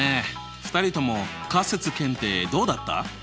２人とも仮説検定どうだった？